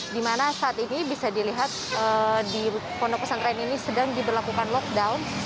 di mana saat ini bisa dilihat di pondok pesantren ini sedang diberlakukan lockdown